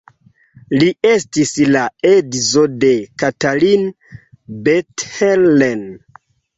Li estis la edzo de Katalin Bethlen.